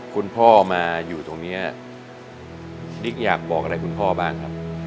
คุณพ่อมาอยู่ตรงนี้ดิ๊กอยากบอกอะไรคุณพ่อบ้างครับ